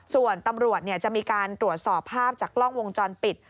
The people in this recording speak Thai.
ส่วนตำรวจจะมีการตรวจสอบภาพจากกล้องวงจรปิด